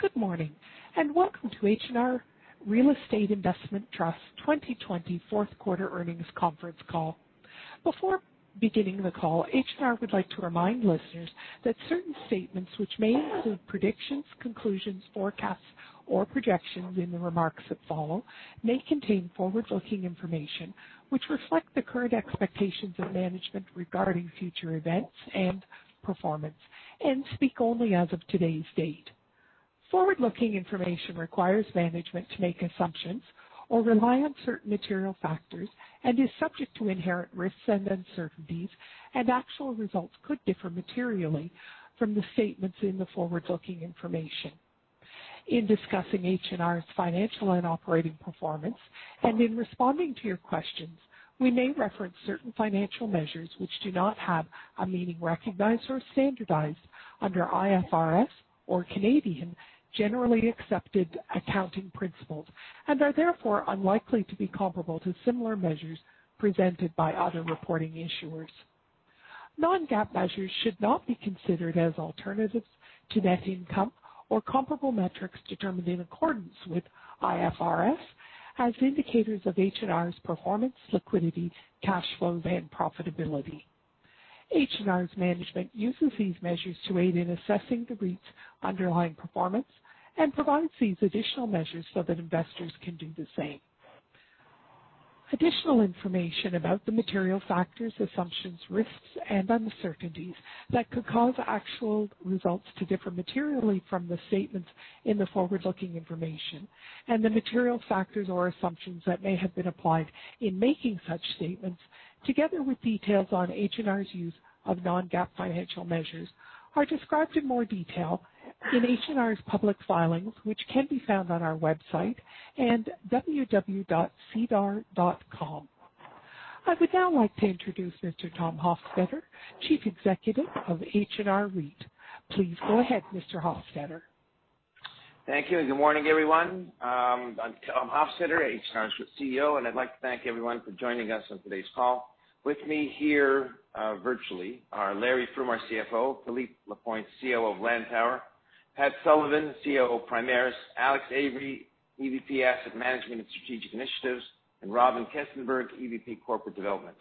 Good morning, and welcome to H&R Real Estate Investment Trust 2020 Q4 earnings conference call. Before beginning the call, H&R would like to remind listeners that certain statements which may include predictions, conclusions, forecasts, or projections in the remarks that follow may contain forward-looking information which reflect the current expectations of management regarding future events and performance and speak only as of today's date. Forward-looking information requires management to make assumptions or rely on certain material factors and is subject to inherent risks and uncertainties, and actual results could differ materially from the statements in the forward-looking information. In discussing H&R's financial and operating performance, and in responding to your questions, we may reference certain financial measures which do not have a meaning recognized or standardized under IFRS or Canadian generally accepted accounting principles and are therefore unlikely to be comparable to similar measures presented by other reporting issuers. Non-GAAP measures should not be considered as alternatives to net income or comparable metrics determined in accordance with IFRS as indicators of H&R's performance, liquidity, cash flows, and profitability. H&R's management uses these measures to aid in assessing the REIT's underlying performance and provides these additional measures so that investors can do the same. Additional information about the material factors, assumptions, risks, and uncertainties that could cause actual results to differ materially from the statements in the forward-looking information and the material factors or assumptions that may have been applied in making such statements, together with details on H&R's use of non-GAAP financial measures, are described in more detail in H&R's public filings which can be found on our website and www.sedar.com. I would now like to introduce Mr. Tom Hofstedter, Chief Executive of H&R Real Estate Investment Trust. Please go ahead, Mr. Hofstedter. Thank you, good morning, everyone. I'm Tom Hofstedter, H&R's CEO, and I'd like to thank everyone for joining us on today's call. With me here, virtually, are Larry Froom, our CFO, Philippe Lapointe, CEO of Lantower, Patrick Sullivan, CEO of Primaris, Alex Avery, EVP, Asset Management and Strategic Initiatives, and Robyn Kestenberg, EVP, Corporate Development.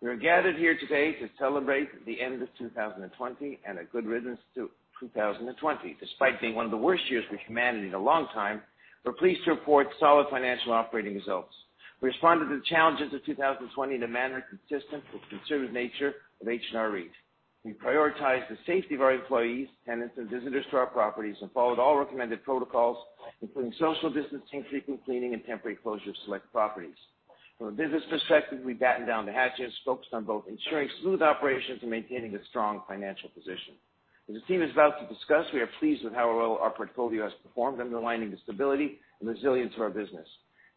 We are gathered here today to celebrate the end of 2020 and a good riddance to 2020. Despite being one of the worst years for humanity in a long time, we're pleased to report solid financial operating results. We responded to the challenges of 2020 in a manner consistent with the conservative nature of H&R REIT. We prioritized the safety of our employees, tenants, and visitors to our properties and followed all recommended protocols, including social distancing, frequent cleaning, and temporary closure of select properties. From a business perspective, we battened down the hatches, focused on both ensuring smooth operations and maintaining a strong financial position. As the team is about to discuss, we are pleased with how well our portfolio has performed, underlining the stability and resilience of our business.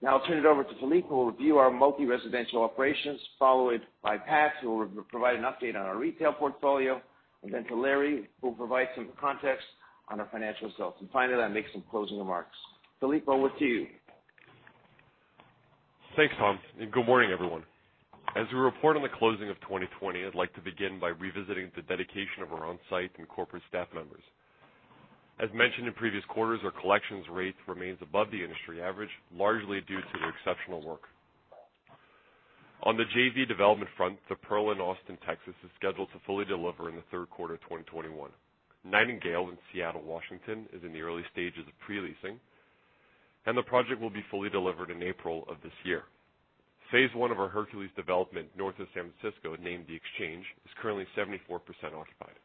I'll turn it over to Philippe, who will review our multi-residential operations, followed by Pat, who will provide an update on our retail portfolio, and then to Larry, who will provide some context on our financial results. Finally, I'll make some closing remarks. Philippe, over to you. Thanks, Tom. Good morning, everyone. As we report on the closing of 2020, I'd like to begin by revisiting the dedication of our on-site and corporate staff members. As mentioned in previous quarters, our collections rate remains above the industry average, largely due to their exceptional work. On the JV development front, The Pearl in Austin, Texas, is scheduled to fully deliver in the third quarter 2021. Nightingale in Seattle, Washington, is in the early stages of pre-leasing, and the project will be fully delivered in April of this year. phase I of our Hercules development north of San Francisco, named The Exchange, is currently 74% occupied.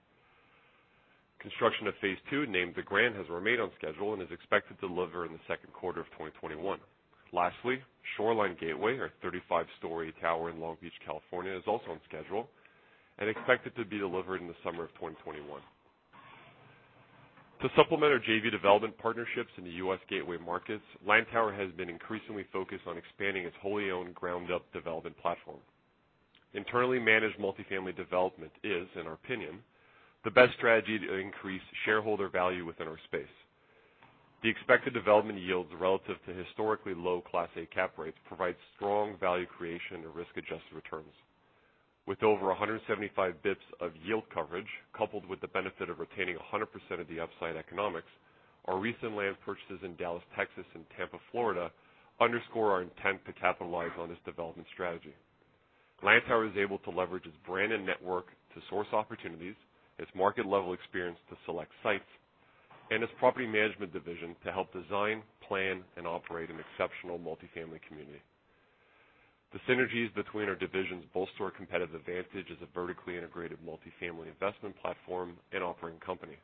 Construction of phase II, named The Grand is scheduled expected to deliver in Q2 of 2021. Lastly, Shoreline Gateway, our 35-story tower in Long Beach, California, is also on schedule and expected to be delivered in the summer of 2021. To supplement our JV development partnerships in the U.S. gateway markets, Lantower has been increasingly focused on expanding its wholly owned ground-up development platform. Internally managed multi-family development is, in our opinion, the best strategy to increase shareholder value within our space. The expected development yields relative to historically low Class A cap rates provide strong value creation and risk-adjusted returns. With over 175 BPS of yield coverage, coupled with the benefit of retaining 100% of the upside economics, our recent land purchases in Dallas, Texas, and Tampa, Florida, underscore our intent to capitalize on this development strategy. Lantower is able to leverage its brand and network to source opportunities, its market level experience to select sites, and its property management division to help design, plan, and operate an exceptional multi-family community. The synergies between our divisions bolster a competitive advantage as a vertically integrated multi-family investment platform and operating company.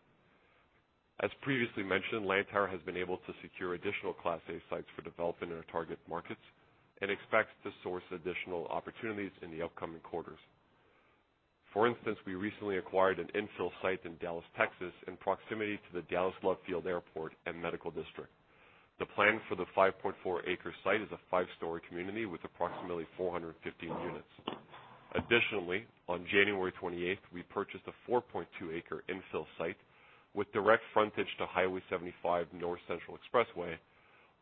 As previously mentioned, Lantower has been able to secure additional Class A sites for development in our target markets and expects to source additional opportunities in the upcoming quarters. For instance, we recently acquired an infill site in Dallas, Texas, in proximity to the Dallas Love Field Airport and Medical District. The plan for the 5.4 acre site is a five-story community with approximately 415 units. Additionally, on January 28th, we purchased a 4.2 acres infill site with direct frontage to Highway 75 North Central Expressway,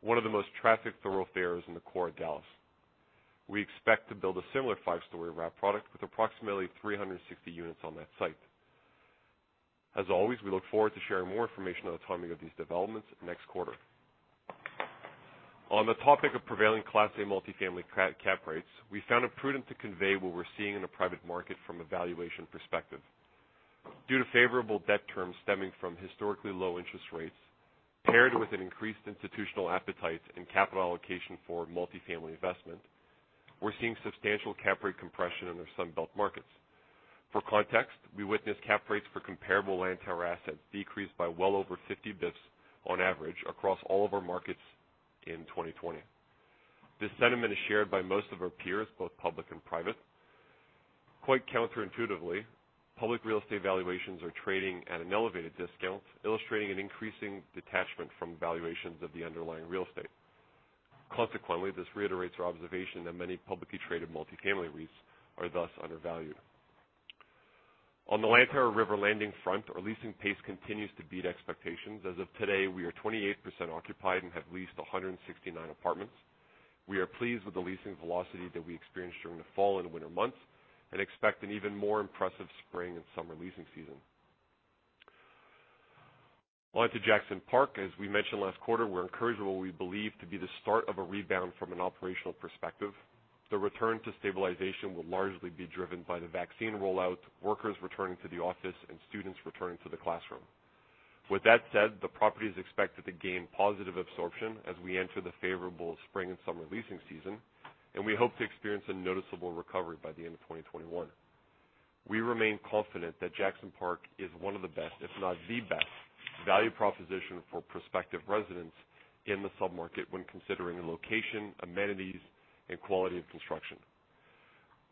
one of the most trafficked thoroughfares in the core of Dallas. We expect to build a similar five-story wrap product with approximately 360 units on that site. As always, we look forward to sharing more information on the timing of these developments next quarter. On the topic of prevailing Class A multifamily cap rates, we found it prudent to convey what we're seeing in the private market from a valuation perspective. Due to favorable debt terms stemming from historically low interest rates, paired with an increased institutional appetite in capital allocation for multifamily investment, we're seeing substantial cap rate compression in our Sun Belt markets. For context, we witnessed cap rates for comparable Lantower assets decrease by well over 50 BPS on average across all of our markets in 2020. This sentiment is shared by most of our peers, both public and private. Quite counterintuitively, public real estate valuations are trading at an elevated discount, illustrating an increasing detachment from valuations of the underlying real estate. Consequently, this reiterates our observation that many publicly traded multifamily REITs are thus undervalued. On the Lantower River Landing front, our leasing pace continues to beat expectations. As of today, we are 28% occupied and have leased 169 apartments. We are pleased with the leasing velocity that we experienced during the fall and winter months and expect an even more impressive spring and summer leasing season. On to Jackson Park. As we mentioned last quarter, we're encouraged by what we believe to be the start of a rebound from an operational perspective. The return to stabilization will largely be driven by the vaccine rollout, workers returning to the office, and students returning to the classroom. With that said, the property is expected to gain positive absorption as we enter the favorable spring and summer leasing season, and we hope to experience a noticeable recovery by the end of 2021. We remain confident that Jackson Park is one of the best, if not the best, value proposition for prospective residents in the sub-market when considering the location, amenities, and quality of construction.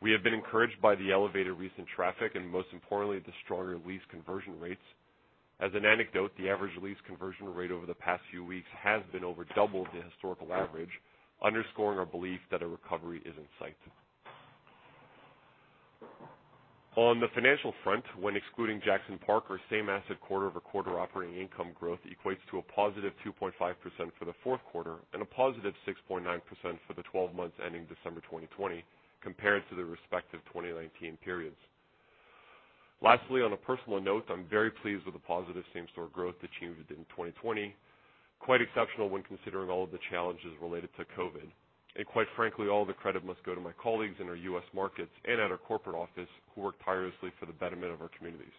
We have been encouraged by the elevated recent traffic and, most importantly, the stronger lease conversion rates. As an anecdote, the average lease conversion rate over the past few weeks has been over double the historical average, underscoring our belief that a recovery is in sight. On the financial front, when excluding Jackson Park, our same-asset quarter-over-quarter operating income growth equates to a positive 2.5% for the fourth quarter and a positive 6.9% for the 12 months ending December 2020 compared to the respective 2019 periods. Lastly, on a personal note, I am very pleased with the positive same-store growth achieved in 2020. Quite exceptional when considering all of the challenges related to COVID. Quite frankly, all the credit must go to my colleagues in our U.S. markets and at our corporate office who work tirelessly for the betterment of our communities.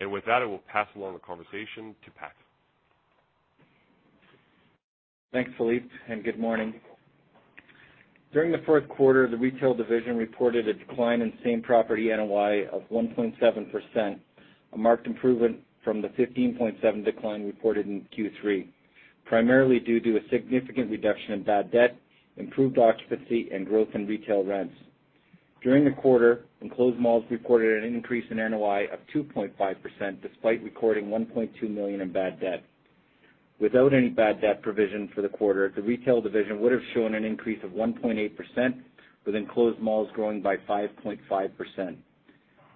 With that, I will pass along the conversation to Pat. Thanks, Philippe, and good morning. During the fourth quarter, the retail division reported a decline in same-property NOI of 1.7%, a marked improvement from the 15.7% decline reported in Q3, primarily due to a significant reduction in bad debt, improved occupancy, and growth in retail rents. During the quarter, enclosed malls reported an increase in NOI of 2.5%, despite recording 1.2 million in bad debt. Without any bad debt provision for the quarter, the retail division would have shown an increase of 1.8%, with enclosed malls growing by 5.5%.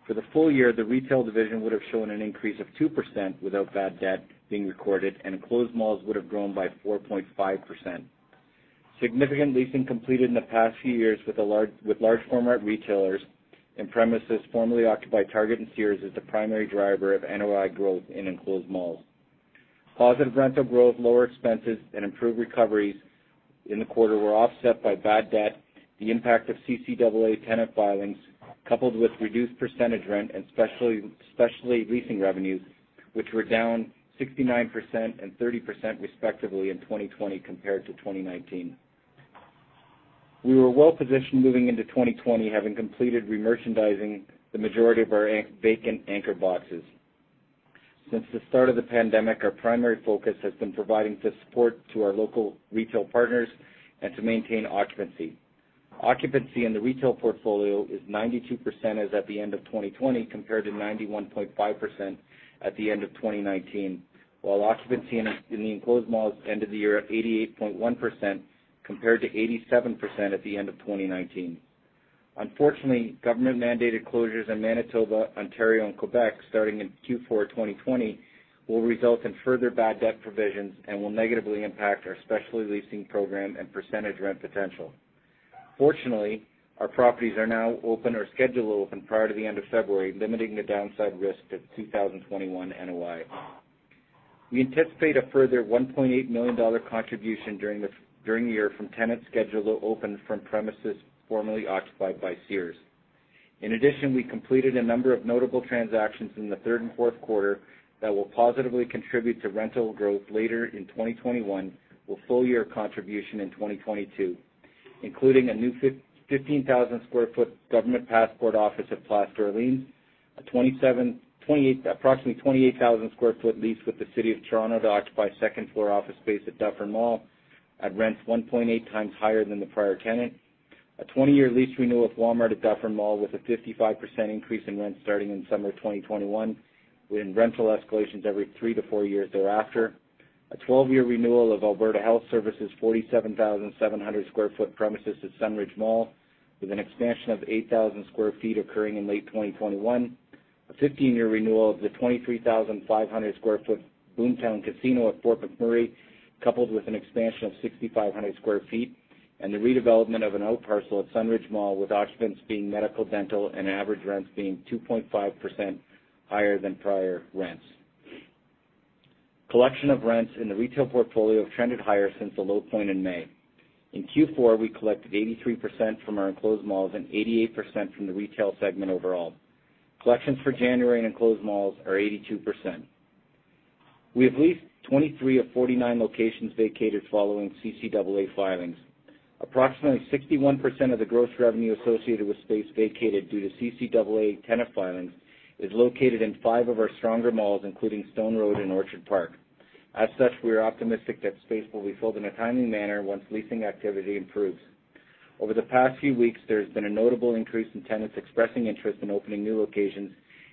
For the full year, the retail division would have shown an increase of 2% without bad debt being recorded, and enclosed malls would have grown by 4.5%. Significant leasing completed in the past few years with large format retailers in premises formerly occupied Target and Sears is the primary driver of NOI growth in enclosed malls. Positive rental growth, lower expenses, and improved recoveries in the quarter were offset by bad debt, the impact of CCAA tenant filings, coupled with reduced percentage rent and specialty leasing revenues, which were down 69% and 30%, respectively, in 2020 compared to 2019. We were well-positioned moving into 2020, having completed remerchandising the majority of our vacant anchor boxes. Since the start of the pandemic, our primary focus has been providing support to our local retail partners and to maintain occupancy. Occupancy in the retail portfolio is 92% as at the end of 2020, compared to 91.5% at the end of 2019. While occupancy in the enclosed malls ended the year at 88.1% compared to 87% at the end of 2019. Unfortunately, government-mandated closures in Manitoba, Ontario, and Quebec starting in Q4 2020 will result in further bad debt provisions and will negatively impact our specialty leasing program and percentage rent potential. Fortunately, our properties are now open or scheduled to open prior to the end of February, limiting the downside risk to 2021 NOI. We anticipate a further 1.8 million dollar contribution during the year from tenants scheduled to open from premises formerly occupied by Sears. In addition, we completed a number of notable transactions in the third and Q4 that will positively contribute to rental growth later in 2021, with full-year contribution in 2022, including a new 15,000 sq ft government passport office at Place Laurier, approximately 28,000 sq ft lease with the City of Toronto to occupy second-floor office space at Dufferin Mall at rents 1.8 times higher than the prior tenant. A 20-year lease renewal with Walmart at Dufferin Mall, with a 55% increase in rent starting in summer 2021, with rental escalations every three to four years thereafter. A 12-year renewal of Alberta Health Services' 47,700 sq ft premises at Sunridge Mall, with an expansion of 8,000 sq ft occurring in late 2021. A 15-year renewal of the 23,500 sq ft Boomtown Casino at Fort McMurray, coupled with an expansion of 6,500 sq ft, and the redevelopment of an out parcel at Sunridge Mall, with occupants being medical, dental, and average rents being 2.5% higher than prior rents. Collection of rents in the retail portfolio have trended higher since the low point in May. In Q4, we collected 83% from our enclosed malls and 88% from the retail segment overall. Collections for January in enclosed malls are 82%. We have leased 23 of 49 locations vacated following CCAA filings. Approximately 61% of the gross revenue associated with space vacated due to CCAA tenant filings is located in five of our stronger malls, including Stone Road and Orchard Park. As such, we are optimistic that space will be filled in a timely manner once leasing activity improves. Over the past few weeks, there has been a notable increase in tenants expressing interest in opening new locations,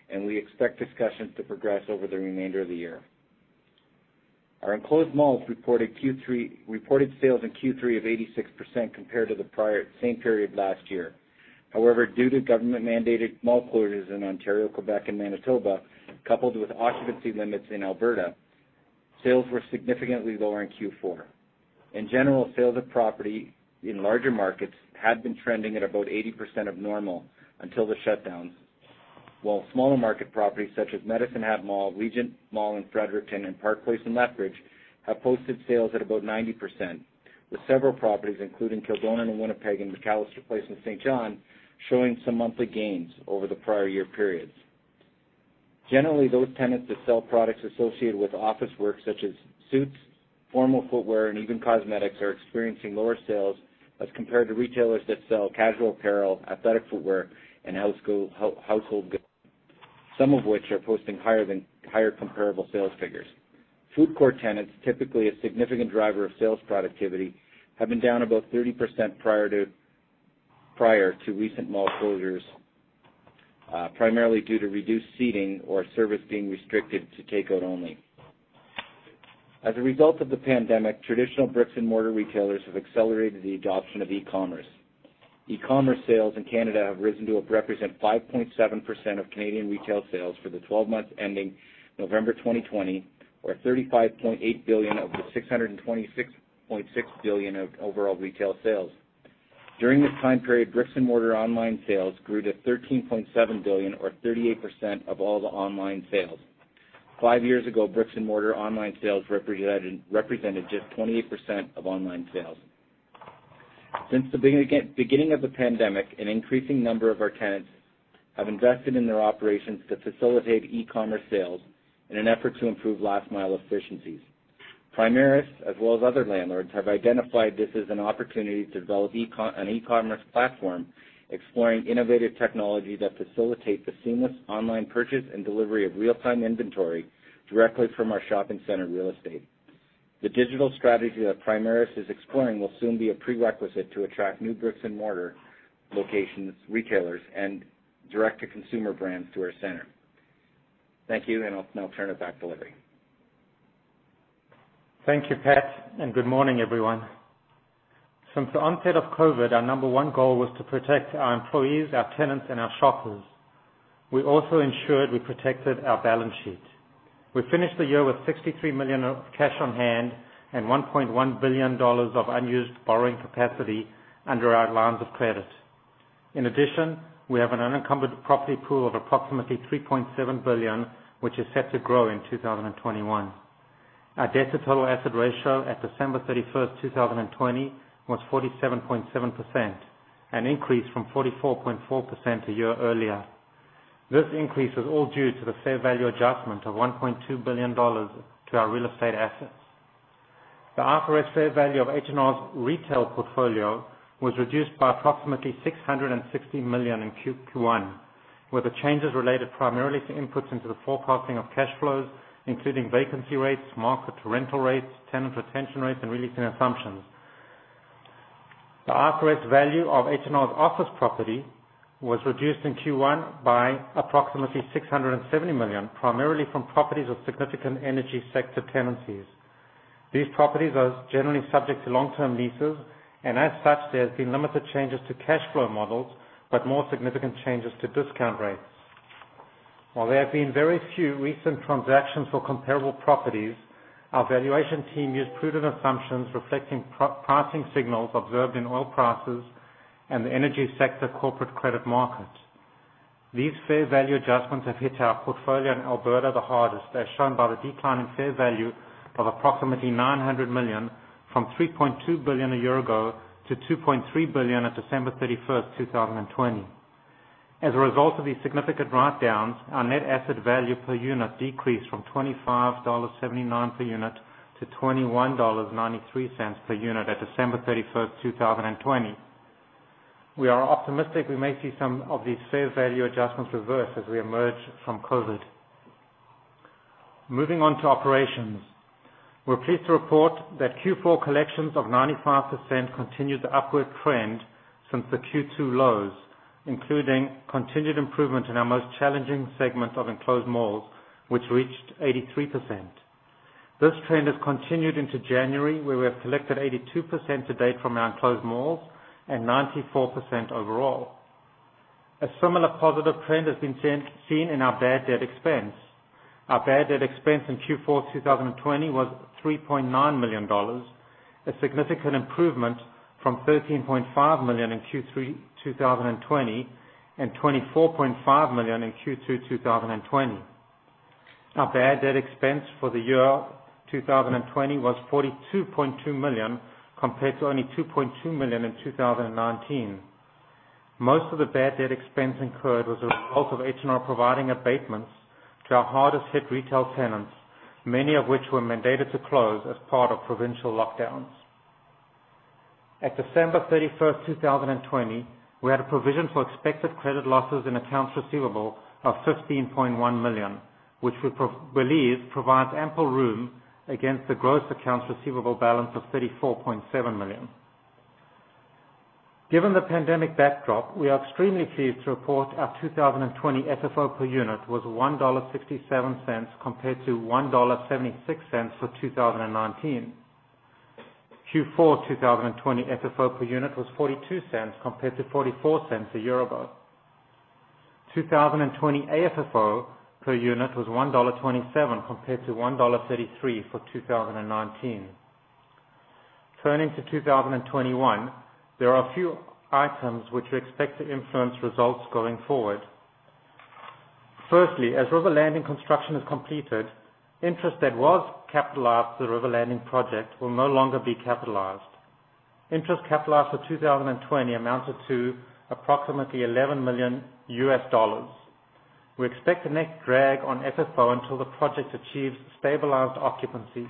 and we expect discussions to progress over the remainder of the year. Our enclosed malls reported sales in Q3 of 86% compared to the same period last year. However, due to government-mandated mall closures in Ontario, Quebec, and Manitoba, coupled with occupancy limits in Alberta, sales were significantly lower in Q4. In general, sales of property in larger markets had been trending at about 80% of normal until the shutdowns. While smaller market properties such as Medicine Hat Mall, Regent Mall in Fredericton, and Park Place in Lethbridge have posted sales at about 90%, with several properties, including Kildonan in Winnipeg and McAllister Place in Saint John, showing some monthly gains over the prior year periods. Generally, those tenants that sell products associated with office work such as suits, formal footwear, and even cosmetics, are experiencing lower sales as compared to retailers that sell casual apparel, athletic footwear, and household goods, some of which are posting higher comparable sales figures. Food court tenants, typically a significant driver of sales productivity, have been down about 30% prior to recent mall closures, primarily due to reduced seating or service being restricted to takeout only. As a result of the pandemic, traditional bricks and mortar retailers have accelerated the adoption of e-commerce. E-commerce sales in Canada have risen to represent 5.7% of Canadian retail sales for the 12 months ending November 2020, or 35.8 billion of the 626.6 billion of overall retail sales. During this time period, bricks and mortar online sales grew to 13.7 billion, or 38% of all the online sales. Five years ago, bricks and mortar online sales represented just 28% of online sales. Since the beginning of the pandemic, an increasing number of our tenants have invested in their operations to facilitate e-commerce sales in an effort to improve last-mile efficiencies. Primaris, as well as other landlords, have identified this as an opportunity to develop an e-commerce platform exploring innovative technology that facilitate the seamless online purchase and delivery of real-time inventory directly from our shopping center real estate. The digital strategy that Primaris is exploring will soon be a prerequisite to attract new bricks and mortar locations, retailers, and direct-to-consumer brands to our center. Thank you. Now I'll turn it back to Larry. Thank you, Pat, and good morning, everyone. Since the onset of COVID, our number one goal was to protect our employees, our tenants, and our shoppers. We also ensured we protected our balance sheet. We finished the year with 63 million of cash on hand and 1.1 billion dollars of unused borrowing capacity under our lines of credit. In addition, we have an unencumbered property pool of approximately 3.7 billion, which is set to grow in 2021. Our debt-to-total asset ratio at December 31st, 2020, was 47.7%, an increase from 44.4% a year earlier. This increase was all due to the fair value adjustment of 1.2 billion dollars to our real estate assets. The at-rate fair value of H&R's retail portfolio was reduced by approximately 660 million in Q1, where the changes related primarily to inputs into the forecasting of cash flows, including vacancy rates, market to rental rates, tenant retention rates, and leasing assumptions. The aggregate value of H&R's office property was reduced in Q1 by approximately 670 million, primarily from properties of significant energy sector tenancies. These properties are generally subject to long-term leases, and as such, there's been limited changes to cash flow models, but more significant changes to discount rates. While there have been very few recent transactions for comparable properties, our valuation team used prudent assumptions reflecting pricing signals observed in oil prices and the energy sector corporate credit market. These fair value adjustments have hit our portfolio in Alberta the hardest, as shown by the decline in fair value of approximately 900 million from 3.2 billion a year ago to 2.3 billion at December 31st, 2020. As a result of these significant write-downs, our net asset value per unit decreased from 25.79 dollars per unit to 21.93 dollars per unit at December 31st, 2020. We are optimistic we may see some of these fair value adjustments reverse as we emerge from COVID. Moving on to operations. We're pleased to report that Q4 collections of 95% continued the upward trend since the Q2 lows, including continued improvement in our most challenging segment of enclosed malls, which reached 83%. This trend has continued into January, where we have collected 82% to date from our enclosed malls and 94% overall. A similar positive trend has been seen in our bad debt expense. Our bad debt expense in Q4 2020 was 3.9 million dollars, a significant improvement from 13.5 million in Q3 2020 and 24.5 million in Q2 2020. Our bad debt expense for the year 2020 was 42.2 million, compared to only 2.2 million in 2019. Most of the bad debt expense incurred was a result of H&R providing abatements to our hardest hit retail tenants, many of which were mandated to close as part of provincial lockdowns. At December 31st, 2020, we had a provision for expected credit losses in accounts receivable of 15.1 million, which we believe provides ample room against the gross accounts receivable balance of 34.7 million. Given the pandemic backdrop, we are extremely pleased to report our 2020 FFO per unit was 1.67 dollar compared to 1.76 dollar for 2019. Q4 2020 FFO per unit was 0.42 compared to 0.44 a year ago. 2020 AFFO per unit was 1.27 dollar compared to 1.33 dollar for 2019. Turning to 2021, there are a few items which we expect to influence results going forward. Firstly, as River Landing construction is completed, interest that was capitalized for River Landing project will no longer be capitalized. Interest capitalized for 2020 amounted to approximately $11 million. We expect a net drag on FFO until the project achieves stabilized occupancy.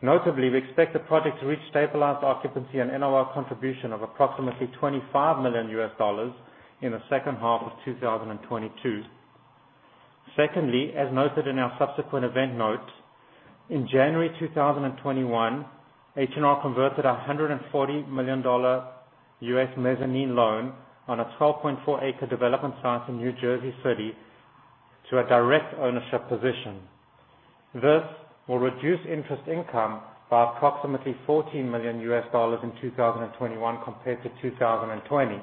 Notably, we expect the project to reach stabilized occupancy and NOI contribution of approximately $25 million in the second half of 2022. Secondly, as noted in our subsequent event notes, in January 2021, H&R converted $140 million mezzanine loan on a 12.4 acre development site in Jersey City to a direct ownership position. This will reduce interest income by approximately $14 million U.S. in 2021 compared to 2020.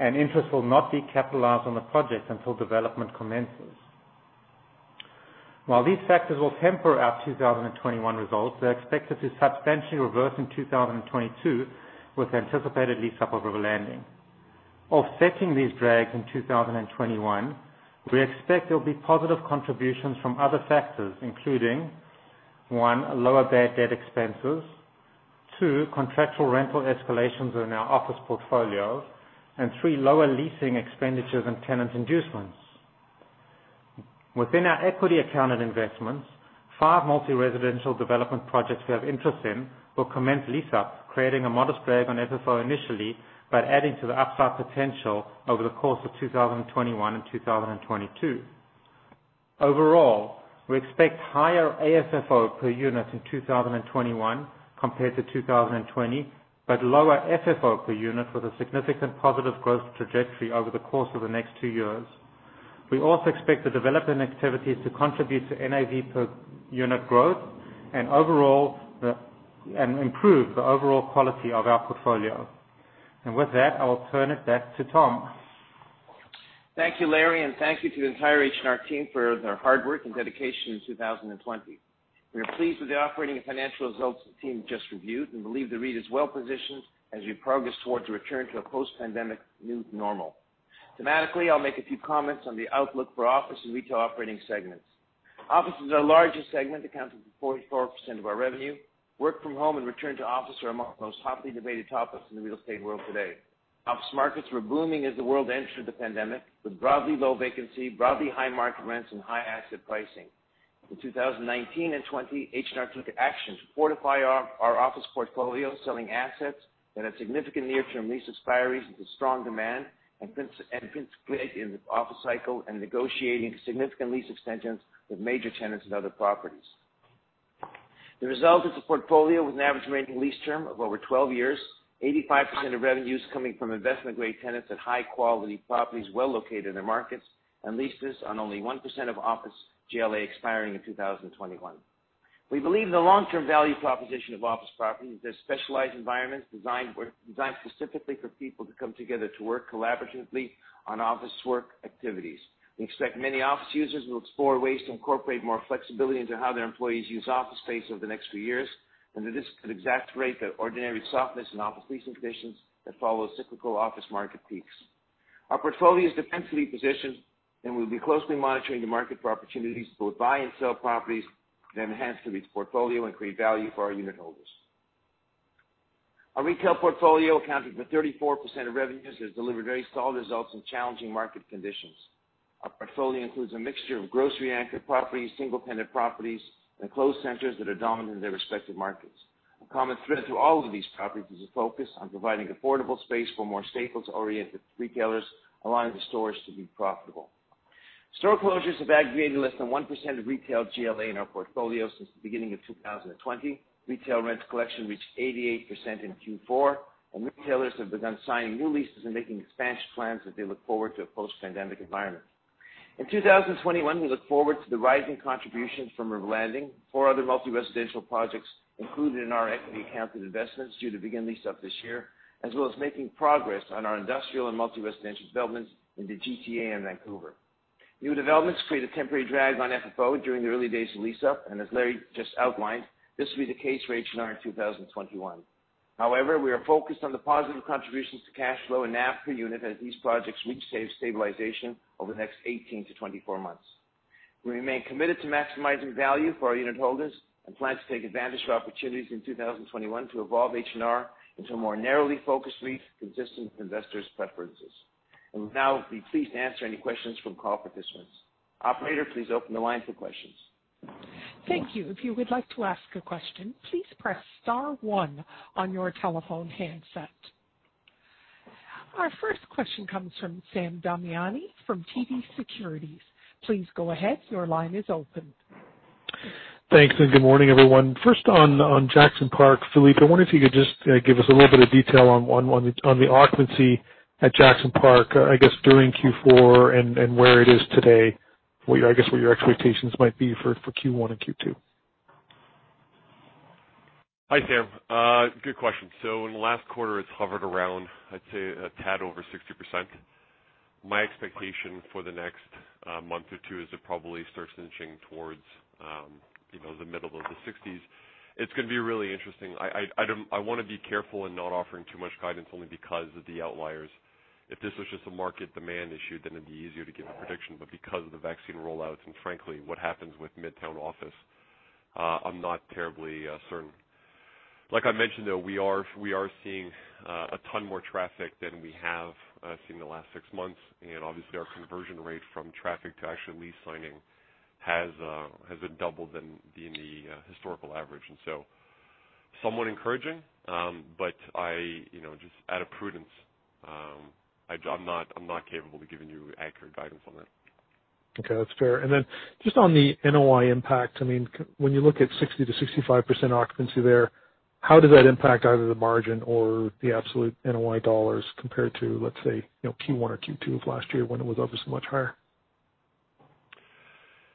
Interest will not be capitalized on the project until development commences. While these factors will temper our 2021 results, they're expected to substantially reverse in 2022 with the anticipated lease up of River Landing. Offsetting these drags in 2021, we expect there will be positive contributions from other factors, including, one, lower bad debt expenses, two, contractual rental escalations in our office portfolio, and three, lower leasing expenditures and tenant inducements. Within our equity accounted investments, five multi-residential development projects we have interest in will commence lease up, creating a modest drag on FFO initially, but adding to the upside potential over the course of 2021 and 2022. Overall, we expect higher AFFO per unit in 2021 compared to 2020, but lower FFO per unit with a significant positive growth trajectory over the course of the next two years. We also expect the development activities to contribute to NAV per unit growth and improve the overall quality of our portfolio. With that, I will turn it back to Tom. Thank you, Larry, and thank you to the entire H&R team for their hard work and dedication in 2020. We are pleased with the operating and financial results the team just reviewed and believe the REIT is well-positioned as we progress towards a return to a post-pandemic new normal. Thematically, I'll make a few comments on the outlook for office and retail operating segments. Office is our largest segment, accounting for 44% of our revenue. Work from home and return to office are among the most hotly debated topics in the real estate world today. Office markets were booming as the world entered the pandemic, with broadly low vacancy, broadly high market rents, and high asset pricing. In 2019 and 2020, H&R took action to fortify our office portfolio, selling assets that had significant near-term lease expiries with a strong demand and principally in the office cycle, and negotiating significant lease extensions with major tenants in other properties. The result is a portfolio with an average remaining lease term of over 12 years, 85% of revenues coming from investment-grade tenants at high quality properties well located in their markets, and leases on only 1% of office GLA expiring in 2021. We believe the long-term value proposition of office property is a specialized environment designed specifically for people to come together to work collaboratively on office work activities. We expect many office users will explore ways to incorporate more flexibility into how their employees use office space over the next few years, and that this could exacerbate the ordinary softness in office leasing conditions that follow cyclical office market peaks. Our portfolio is defensively positioned, and we'll be closely monitoring the market for opportunities to both buy and sell properties that enhance the REIT's portfolio and create value for our unit holders. Our retail portfolio accounted for 34% of revenues and has delivered very solid results in challenging market conditions. Our portfolio includes a mixture of grocery-anchored properties, single-tenant properties, and enclosed centers that are dominant in their respective markets. A common thread through all of these properties is a focus on providing affordable space for more staples-oriented retailers, allowing the stores to be profitable. Store closures have aggregated less than 1% of retail GLA in our portfolio since the beginning of 2020. Retail rents collection reached 88% in Q4. Retailers have begun signing new leases and making expansion plans as they look forward to a post-pandemic environment. In 2021, we look forward to the rising contributions from River Landing, four other multi-residential projects included in our equity accounted investments due to begin lease up this year, as well as making progress on our industrial and multi-residential developments in the GTA and Vancouver. New developments create a temporary drag on FFO during the early days of lease up. As Larry just outlined, this will be the case for H&R in 2021. However, we are focused on the positive contributions to cash flow and NAV per unit as these projects reach stabilization over the next 18-24 months. We remain committed to maximizing value for our unitholders and plan to take advantage of opportunities in 2021 to evolve H&R into a more narrowly focused REIT consistent with investors' preferences. I will now be pleased to answer any questions from call participants. Operator, please open the line for questions. Thank you. Our first question comes from Sam Damiani from TD Securities. Thanks. Good morning, everyone. First on Jackson Park. Philippe, I wonder if you could just give us a little bit of detail on the occupancy at Jackson Park, I guess, during Q4 and where it is today, I guess, what your expectations might be for Q1 and Q2. Hi, Sam. Good question. In the last quarter, it's hovered around, I'd say, a tad over 60%. My expectation for the next month or two is it probably starts inching towards the middle of the 60s. It's going to be really interesting. I want to be careful in not offering too much guidance only because of the outliers. If this was just a market demand issue, then it'd be easier to give a prediction. Because of the vaccine rollouts and frankly, what happens with Midtown office, I'm not terribly certain. Like I mentioned, though, we are seeing a ton more traffic than we have seen in the last six months, and obviously our conversion rate from traffic to actual lease signing has been double than the historical average. Somewhat encouraging. Just out of prudence, I'm not capable of giving you accurate guidance on that. Okay, that's fair. Then just on the NOI impact, when you look at 60%-65% occupancy there, how does that impact either the margin or the absolute NOI dollars compared to, let's say, Q1 or Q2 of last year when it was obviously much higher?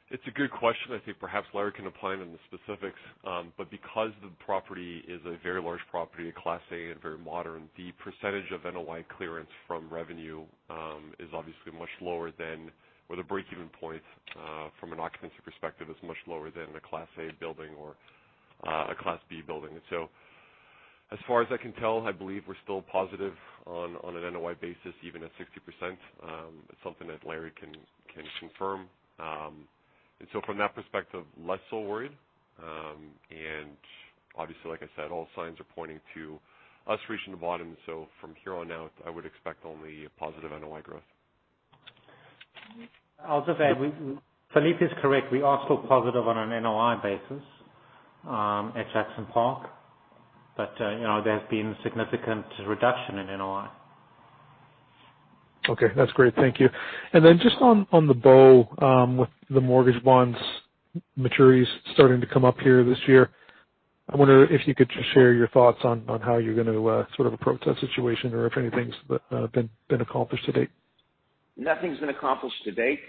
It's a good question. I think perhaps Larry Froom can opine on the specifics. Because the property is a very large property, a class A and very modern, the percentage of NOI clearance from revenue is obviously much lower, or the break-even point from an occupancy perspective is much lower than a class A building or a class B building. As far as I can tell, I believe we're still positive on an NOI basis, even at 60%. It's something that Larry Froom can confirm. From that perspective, less so worried. Obviously, like I said, all signs are pointing to us reaching the bottom. From here on out, I would expect only positive NOI growth. I'll just add, Philippe is correct. We are still positive on an NOI basis at Jackson Park, but there has been a significant reduction in NOI. Okay, that's great. Thank you. Then just on The Bow, with the mortgage bonds maturities starting to come up here this year, I wonder if you could just share your thoughts on how you're going to sort of approach that situation or if anything's been accomplished to date. Nothing's been accomplished to date.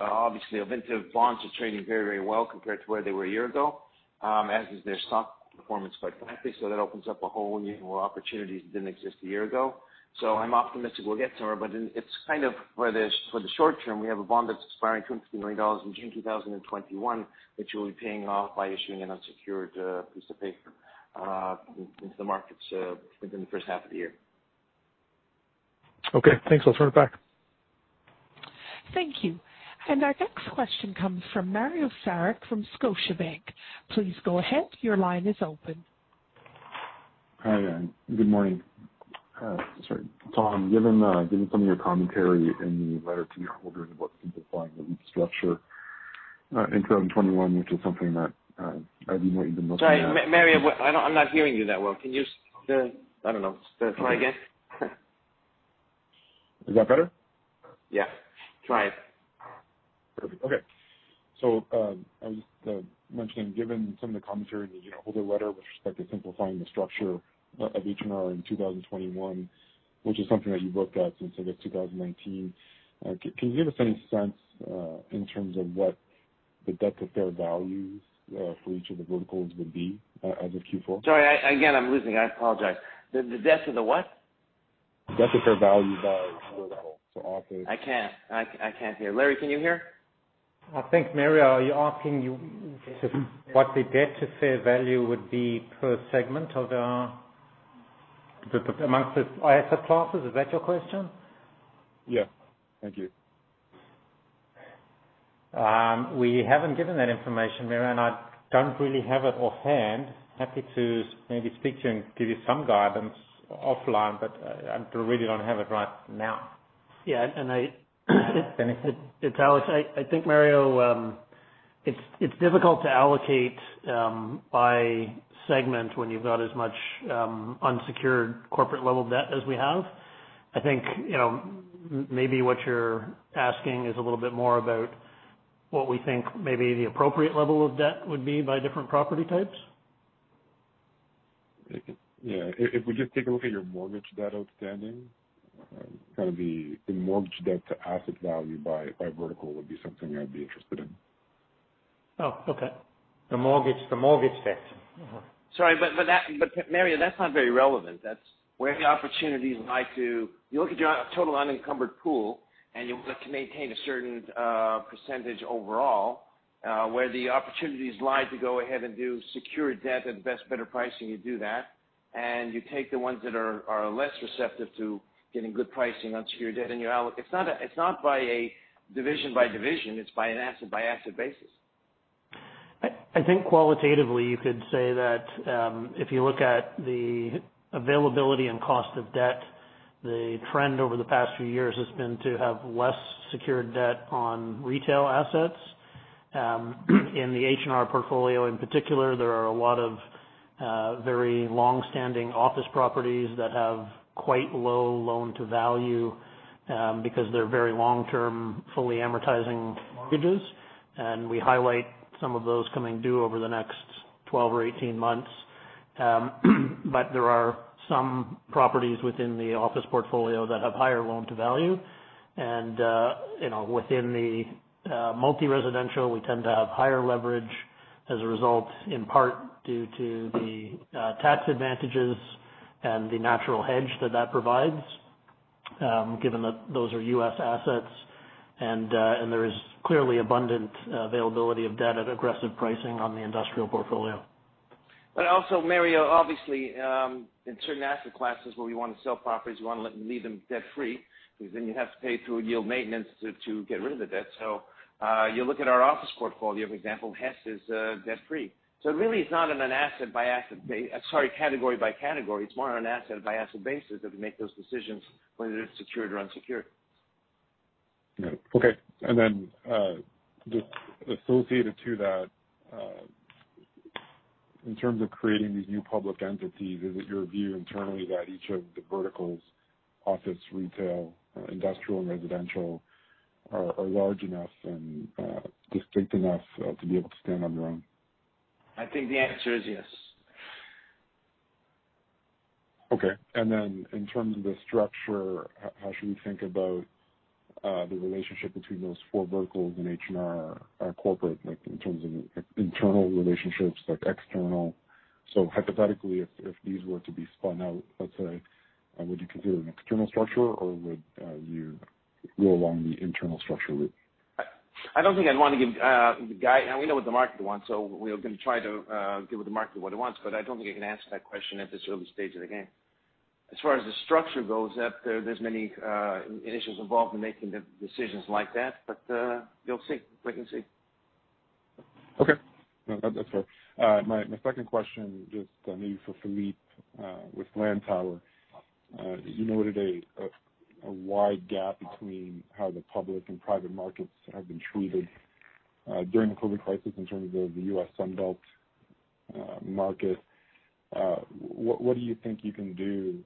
Obviously, Ovintiv bonds are trading very well compared to where they were a year ago, as is their stock performance, quite frankly. That opens up a whole new world of opportunities that didn't exist a year ago. I'm optimistic we'll get to her, but it's kind of for the short term, we have a bond that's expiring 250 million dollars in June 2021, which we'll be paying off by issuing an unsecured piece of paper into the markets within H1 of the year. Okay, thanks. I'll turn it back. Thank you. Our next question comes from Mario Saric from Scotiabank. Please go ahead. Your line is open. Hi. Good morning. Sorry, Tom, given some of your commentary in the letter to your unitholders about simplifying the lease structure in 2021, which is something that I've been looking at. Sorry, Mario, I'm not hearing you that well. Can you just, I don't know, try again? Is that better? Yeah, try it. Perfect. Okay. I was just mentioning, given some of the commentary in the unitholder letter with respect to simplifying the structure of H&R in 2021, which is something that you've looked at since, I guess, 2019, can you give us any sense in terms of what the debt to fair values for each of the verticals would be as of Q4? Sorry, again, I'm losing you. I apologize. The debt to the what? Debt to fair value by vertical to operate. I can't hear. Larry, can you hear? I think, Mario, are you asking what the debt to fair value would be per segment amongst the asset classes? Is that your question? Yeah. Thank you. We haven't given that information, Mario. I don't really have it offhand. Happy to maybe speak to you and give you some guidance offline. I really don't have it right now. Yeah. It's Alex. I think, Mario, it's difficult to allocate by segment when you've got as much unsecured corporate level debt as we have. I think maybe what you're asking is a little bit more about what we think maybe the appropriate level of debt would be by different property types. Yeah. If we just take a look at your mortgage debt outstanding, the mortgage debt to asset value by vertical would be something I'd be interested in. Oh, okay. The mortgage debt. Mm-hmm. Sorry, Mario, that's not very relevant. That's where the opportunities lie. You look at your total unencumbered pool, and you look to maintain a certain percentage overall. Where the opportunities lie to go ahead and do secured debt at best better pricing, you do that, and you take the ones that are less receptive to getting good pricing on secured debt. It's not by a division-by-division, it's by an asset-by-asset basis. I think qualitatively, you could say that if you look at the availability and cost of debt, the trend over the past few years has been to have less secured debt on retail assets. In the H&R portfolio in particular, there are a lot of very longstanding office properties that have quite low loan-to-value because they're very long-term, fully amortizing mortgages. We highlight some of those coming due over the next 12 or 18 months. There are some properties within the office portfolio that have higher loan-to-value. Within the multi-residential, we tend to have higher leverage as a result, in part due to the tax advantages and the natural hedge that that provides, given that those are U.S. assets. There is clearly abundant availability of debt at aggressive pricing on the industrial portfolio. Also, Mario, obviously, in certain asset classes where we want to sell properties, we want to leave them debt-free because then you have to pay through yield maintenance to get rid of the debt. You look at our office portfolio, for example, Hess is debt-free. Sorry, category by category. It's more on an asset-by-asset basis that we make those decisions, whether it's secured or unsecured. Yeah. Okay. Then, just associated to that, in terms of creating these new public entities, is it your view internally that each of the verticals, office, retail, industrial, and residential, are large enough and distinct enough to be able to stand on their own? I think the answer is yes. Okay. In terms of the structure, how should we think about the relationship between those four verticals and H&R corporate, in terms of internal relationships, external? Hypothetically, if these were to be spun out, let's say, would you consider an external structure, or would you go along the internal structure route? I don't think I'd want to give the guide. We know what the market wants. We're going to try to give the market what it wants. I don't think I can answer that question at this early stage of the game. As far as the structure goes, there's many initiatives involved in making the decisions like that. You'll see. Wait and see. Okay. No, that's fair. My second question, just maybe for Philippe, with Lantower. You noted a wide gap between how the public and private markets have been treated during the COVID crisis in terms of the U.S. Sun Belt market. What do you think you can do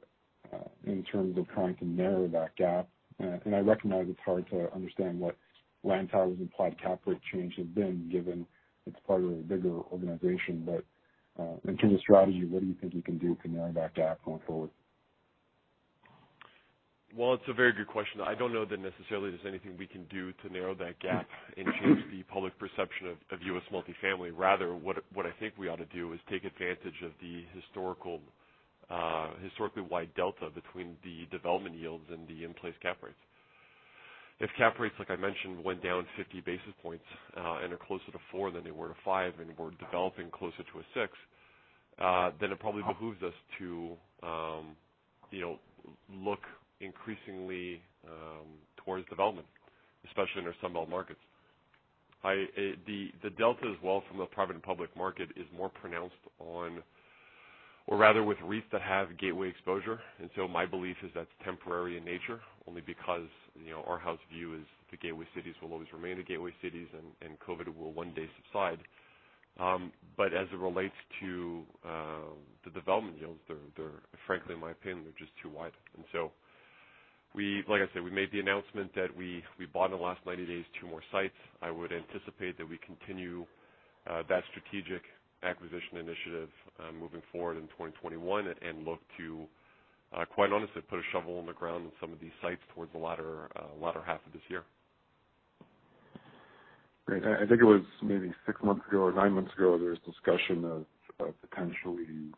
in terms of trying to narrow that gap? I recognize it's hard to understand what Lantower's implied cap rate change has been, given it's part of a bigger organization. In terms of strategy, what do you think you can do to narrow that gap going forward? It's a very good question. I don't know that necessarily there's anything we can do to narrow that gap and change the public perception of U.S. multifamily. Rather, what I think we ought to do is take advantage of the historically wide delta between the development yields and the in-place cap rates. If cap rates, like I mentioned, went down 50 basis points and are closer to four than they were to five, and we're developing closer to a six, then it probably behooves us to look increasingly towards development, especially in our Sun Belt markets. The delta as well from the private and public market is more pronounced or rather with REITs that have gateway exposure. My belief is that's temporary in nature, only because our house view is the gateway cities will always remain the gateway cities, and COVID will one day subside. As it relates to the development yields, they're frankly, in my opinion, they're just too wide. Like I said, we made the announcement that we bought in the last 90 days, two more sites. I would anticipate that we continue that strategic acquisition initiative moving forward in 2021 and look to, quite honestly, put a shovel in the ground on some of these sites towards the latter half of this year. Great. I think it was maybe six months ago or nine months ago, there was discussion of potentially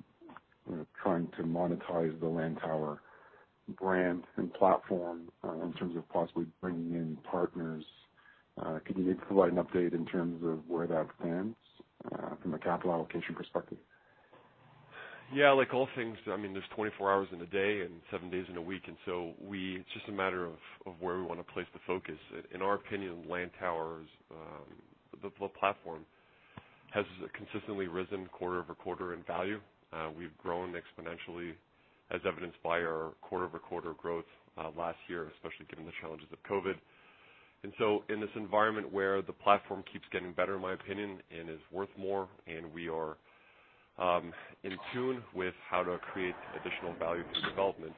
trying to monetize the Lantower brand and platform in terms of possibly bringing in partners. Could you provide an update in terms of where that stands from a capital allocation perspective? Yeah, like all things, there's 24 hours in a day and seven days in a week. It's just a matter of where we want to place the focus. In our opinion, Lantower, the platform, has consistently risen quarter-over-quarter in value. We've grown exponentially as evidenced by our quarter-over-quarter growth last year, especially given the challenges of COVID. In this environment where the platform keeps getting better, in my opinion, and is worth more, and we are in tune with how to create additional value through development,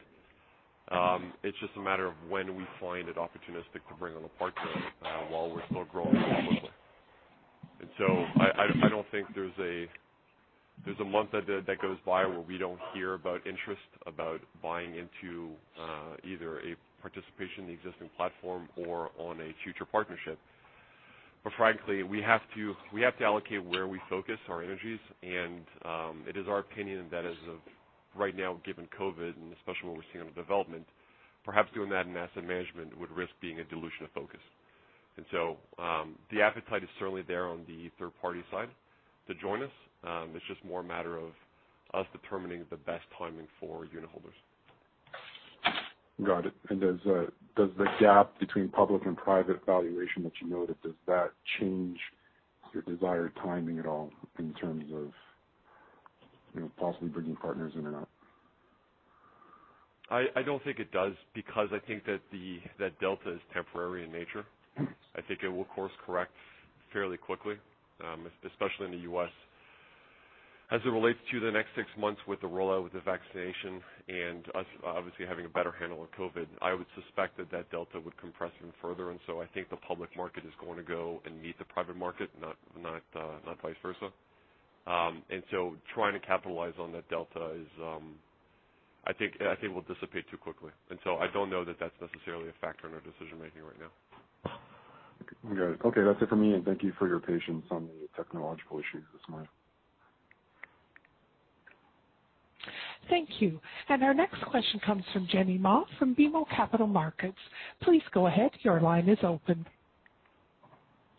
it's just a matter of when we find it opportunistic to bring on a partner while we're still growing quickly. I don't think there's a month that goes by where we don't hear about interest about buying into either a participation in the existing platform or on a future partnership. Frankly, we have to allocate where we focus our energies, and it is our opinion that as of right now, given COVID and especially what we're seeing on the development, perhaps doing that in asset management would risk being a dilution of focus. The appetite is certainly there on the third-party side to join us. It's just more a matter of us determining the best timing for unitholders. Got it. Does the gap between public and private valuation that you noted, does that change your desired timing at all in terms of possibly bringing partners in or not? I don't think it does because I think that delta is temporary in nature. I think it will course correct fairly quickly, especially in the U.S. As it relates to the next six months with the rollout of the vaccination and us obviously having a better handle on COVID, I would suspect that that delta would compress even further. I think the public market is going to go and meet the private market, not vice versa. Trying to capitalize on that delta, I think, will dissipate too quickly. I don't know that that's necessarily a factor in our decision-making right now. Got it. Okay, that's it for me. Thank you for your patience on the technological issues this morning. Thank you. Our next question comes from Jenny Ma from BMO Capital Markets. Please go ahead.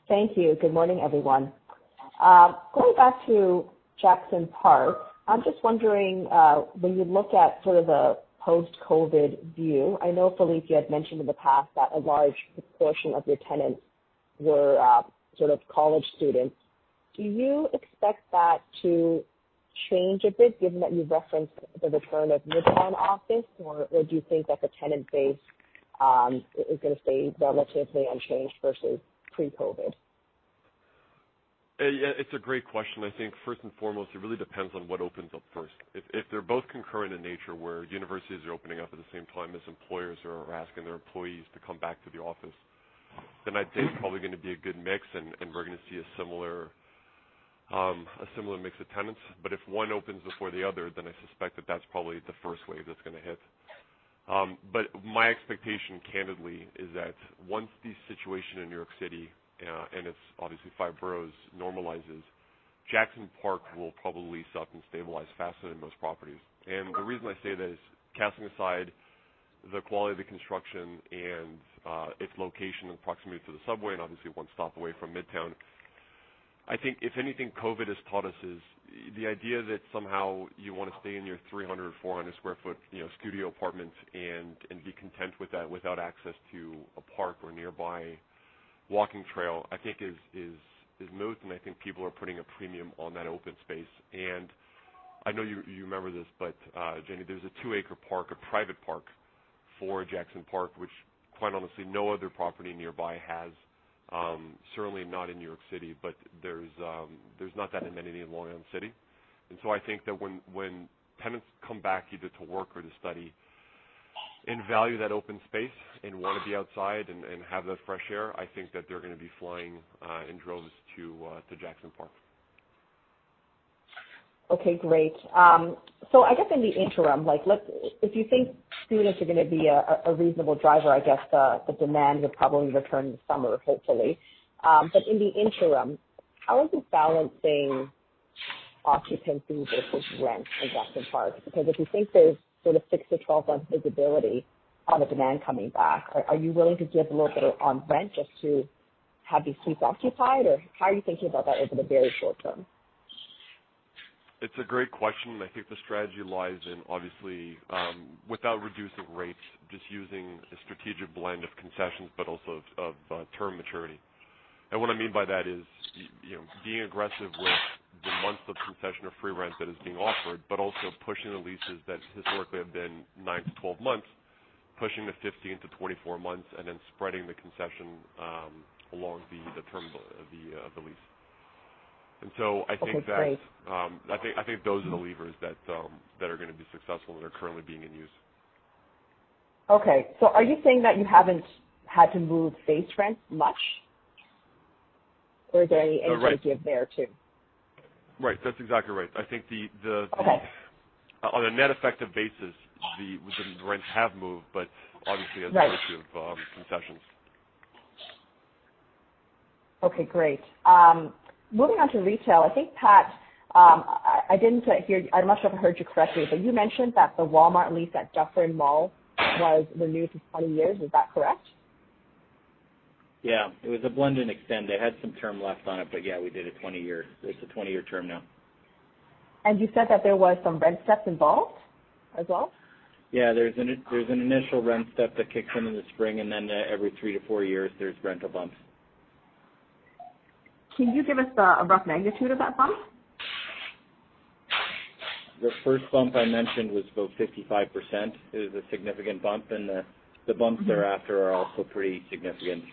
Thank you. Good morning, everyone. Going back to Jackson Park, I'm just wondering, when you look at sort of the post-COVID view, I know Philippe had mentioned in the past that a large proportion of your tenants were sort of college students. Do you expect that to change a bit given that you've referenced the return of midtown office, or do you think that the tenant base is going to stay relatively unchanged versus pre-COVID? Yeah. It's a great question. I think first and foremost, it really depends on what opens up first. If they're both concurrent in nature, where universities are opening up at the same time as employers are asking their employees to come back to the office, I think it's probably going to be a good mix, and we're going to see a similar mix of tenants. If one opens before the other, I suspect that that's probably the first wave that's going to hit. My expectation, candidly, is that once the situation in New York City, and its obviously five boroughs, normalizes, Jackson Park will probably suck and stabilize faster than most properties. The reason I say that is casting aside the quality of the construction and its location and proximity to the subway, and obviously one stop away from Midtown. I think if anything COVID has taught us is the idea that somehow you want to stay in your 300, 400 square foot studio apartment and be content with that without access to a park or nearby walking trail, I think is moot. I think people are putting a premium on that open space. I know you remember this, but Jenny, there's a two-acre park, a private park for Jackson Park, which quite honestly no other property nearby has. Certainly not in New York City, but there's not that amenity in Long Island City. I think that when tenants come back either to work or to study and value that open space and want to be outside and have that fresh air, I think that they're going to be flying in droves to Jackson Park. Okay, great. I guess in the interim, if you think students are going to be a reasonable driver, I guess the demand would probably return in the summer, hopefully. In the interim, how is this balancing occupancy versus rent in Jackson Park? Because if you think there's sort of six to 12 months visibility on the demand coming back, are you willing to give a little bit on rent just to have these suites occupied? How are you thinking about that over the very short term? It's a great question. I think the strategy lies in obviously without reducing rates, just using a strategic blend of concessions, but also of term maturity. What I mean by that is being aggressive with the months of concession or free rent that is being offered, but also pushing the leases that historically have been nine-12 months, pushing to 15-24 months, and then spreading the concession along the term of the lease. Okay, great. I think those are the levers that are going to be successful and are currently being in use. Okay. Are you saying that you haven't had to move base rent much? Right give there too? Right. That's exactly right. Okay On a net effective basis, the rents have moved, but obviously. Right Virtue of concessions. Okay, great. Moving on to retail. I think, Pat, I'm not sure if I heard you correctly, but you mentioned that the Walmart lease at Dufferin Mall was renewed for 20 years. Is that correct? Yeah. It was a blend and extend. It had some term left on it. Yeah, we did a 20 year. It's a 20-year term now. You said that there was some rent steps involved as well? Yeah, there's an initial rent step that kicks in in the spring, and then every three to four years, there's rental bumps. Can you give us a rough magnitude of that bump? The first bump I mentioned was about 55%, is a significant bump, and the bumps thereafter are also pretty significant.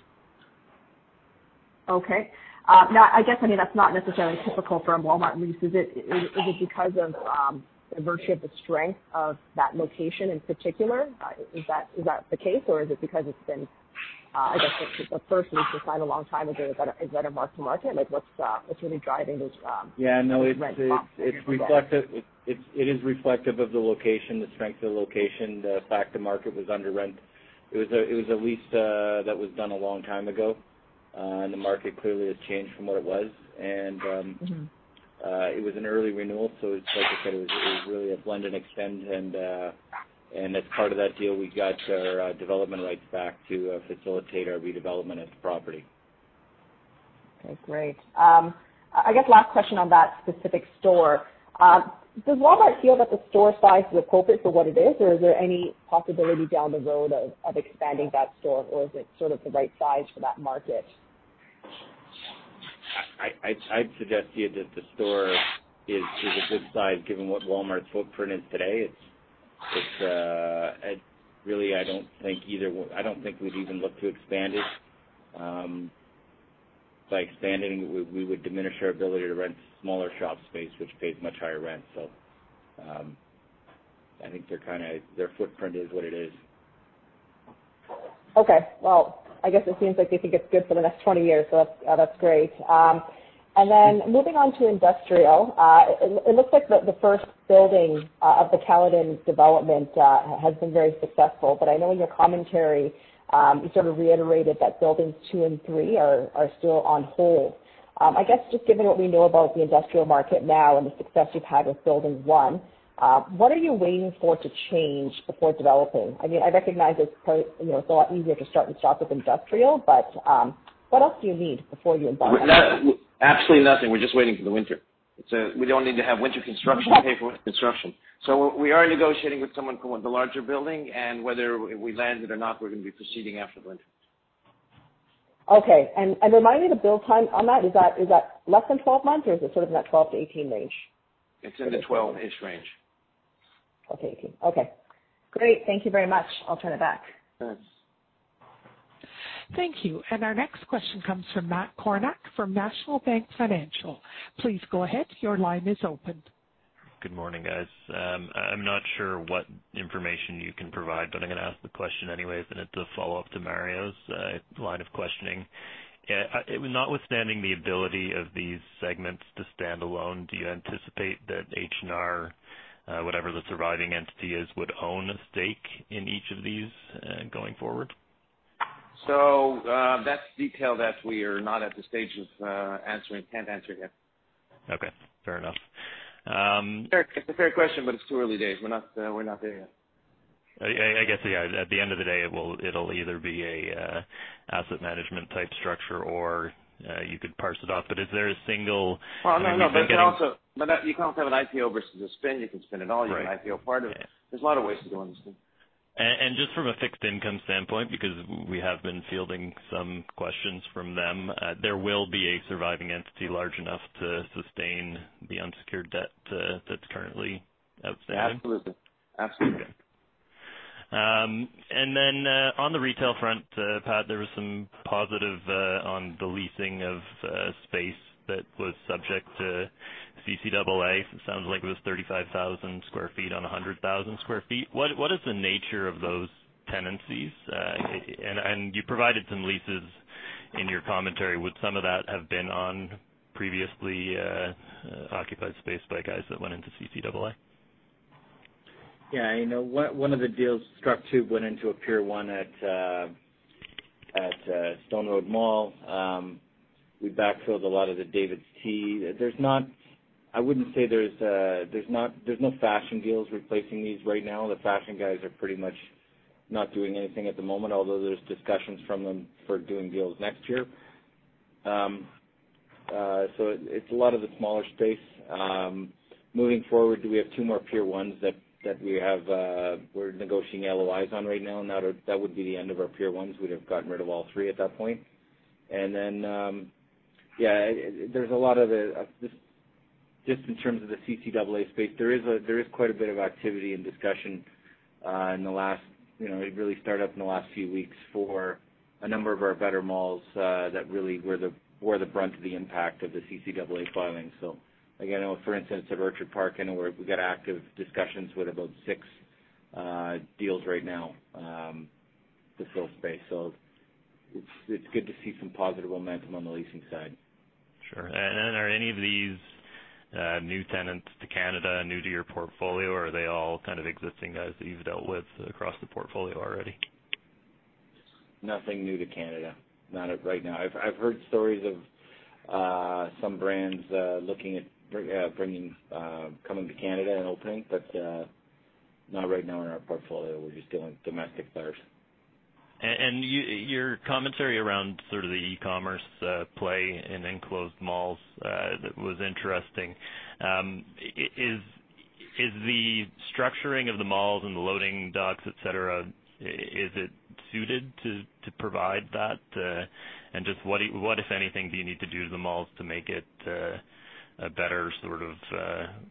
Okay. I guess that's not necessarily typical for a Walmart lease, is it? Is it because of the virtue of the strength of that location in particular? Is that the case, or is it because I guess that's a lease you signed a long time ago that is at a mark-to-market. What's really driving this rent bump here from that? Yeah. No, it is reflective of the location, the strength of the location, the fact the market was under rent. It was a lease that was done a long time ago. The market clearly has changed from what it was. It was an early renewal, so it's like I said, it was really a blend and extend, and as part of that deal, we got our development rights back to facilitate our redevelopment of the property. Okay, great. I guess last question on that specific store. Does Walmart feel that the store size is appropriate for what it is, or is there any possibility down the road of expanding that store, or is it sort of the right size for that market? I'd suggest to you that the store is a good size given what Walmart's footprint is today. Really, I don't think we'd even look to expand it. By expanding, we would diminish our ability to rent smaller shop space, which pays much higher rent. I think their footprint is what it is. Okay. Well, I guess it seems like they think it's good for the next 20 years, that's great. Moving on to industrial, it looks like the first building of the Caledon development has been very successful. I know in your commentary, you sort of reiterated that buildings two and three are still on hold. I guess, just given what we know about the industrial market now and the success you've had with building 1, what are you waiting for to change before developing? I recognize it's a lot easier to start and stop with industrial, but what else do you need before you embark on that? Absolutely nothing. We're just waiting for the winter. We don't need to have winter construction pay for construction. We are negotiating with someone for the larger building, and whether we land it or not, we're going to be proceeding after the winter. Okay. Remind me the build time on that. Is that less than 12 months, or is it sort of in that 12-18 range? It's in the 12-ish range. Okay. Great. Thank you very much. I'll turn it back. Thanks. Thank you. Our next question comes from Matt Kornack from National Bank Financial. Good morning, guys. I'm not sure what information you can provide, but I'm going to ask the question anyway, and it's a follow-up to Mario's line of questioning. Notwithstanding the ability of these segments to stand alone, do you anticipate that H&R, whatever the surviving entity is, would own a stake in each of these going forward? That's detail that we are not at the stage of answering. Can't answer yet. Okay, fair enough. It's a fair question, but it's too early days. We're not there yet. I guess, yeah. At the end of the day, it'll either be an asset management type structure, or you could parse it off. Is there a single- Oh, no. You can also have an IPO versus a spin. You can spin it all. Right. You can IPO part of it. There's a lot of ways to go on this thing. Just from a fixed income standpoint, because we have been fielding some questions from them, there will be a surviving entity large enough to sustain the unsecured debt that is currently outstanding? Absolutely. Okay. On the retail front, Pat, there was some positive on the leasing of space that was subject to CCAA. It sounds like it was 35,000 square feet on 100,000 square feet. What is the nature of those tenancies? You provided some leases in your commentary. Would some of that have been on previously occupied space by guys that went into CCAA? One of the deals struck too went into a Pier 1 at Stone Road Mall. We backfilled a lot of the DAVIDsTEA. I wouldn't say there's no fashion deals replacing these right now. The fashion guys are pretty much not doing anything at the moment, although there's discussions from them for doing deals next year. It's a lot of the smaller space. Moving forward, we have two more Pier 1s that we're negotiating LOIs on right now, and that would be the end of our Pier 1s. We'd have gotten rid of all three at that point. Yeah, just in terms of the CCAA space, there is quite a bit of activity and discussion. It really started up in the last few weeks for a number of our better malls that really were the brunt of the impact of the CCAA filing. Again, for instance, at Orchard Park, I know we got active discussions with about six deals right now to fill space. It's good to see some positive momentum on the leasing side. Sure. Are any of these new tenants to Canada, new to your portfolio, or are they all kind of existing guys that you've dealt with across the portfolio already? Nothing new to Canada. Not right now. I've heard stories of some brands looking at coming to Canada and opening, but not right now in our portfolio. We're just dealing with domestic players. Your commentary around sort of the e-commerce play in enclosed malls was interesting. Is the structuring of the malls and the loading docks, et cetera, suited to provide that? Just what, if anything, do you need to do to the malls to make it a better sort of